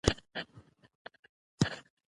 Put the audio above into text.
کاروان په الفیوم کې تم کیږي.